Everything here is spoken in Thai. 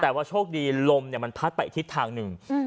แต่ว่าโชคดีลมมันพัดไปอีกทิศทางหนึ่ง